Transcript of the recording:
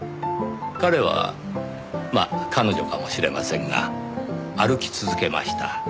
彼はまあ彼女かもしれませんが歩き続けました。